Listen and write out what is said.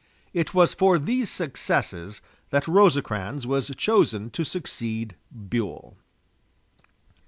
It was for these successes that Rosecrans was chosen to succeed Buell.